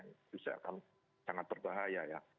itu saya akan sangat berbahaya ya